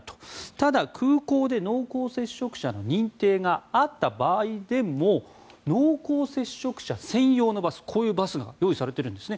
ただ、空港で濃厚接触者の認定があった場合でも濃厚接触者専用のバスこういうバスが用意されてるんですね。